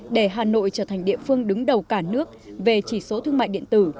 để hà nội trở thành địa phương đứng đầu cả nước về chỉ số thương mại điện tử